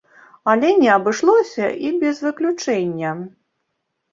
Але не абышлося і без выключэння.